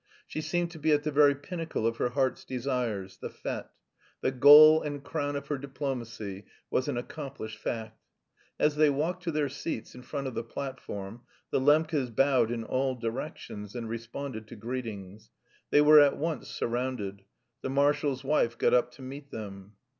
She seemed to be at the very pinnacle of her heart's desires, the fête the goal and crown of her diplomacy was an accomplished fact. As they walked to their seats in front of the platform, the Lembkes bowed in all directions and responded to greetings. They were at once surrounded. The marshal's wife got up to meet them.